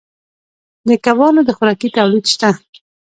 د کبانو د خوراکې تولید شته